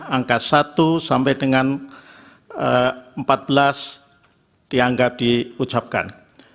angka satu sampai dengan empat belas dianggap diucapkan